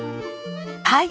はい。